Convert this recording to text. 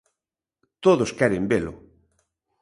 Todos queren velo.